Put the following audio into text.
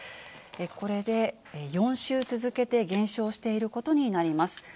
これで４週続けて減少していることになります。